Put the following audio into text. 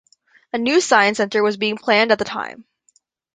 A new science centre was being planned at the time.